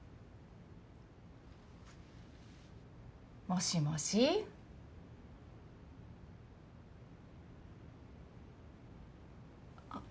もしもし？あっ。